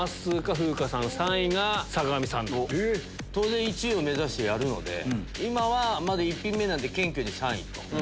当然１位を目指してやるので今はまだ１品目なんで謙虚に３位。